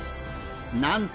なんと！